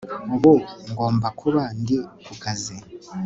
Ubu ngomba kuba ndi ku kazi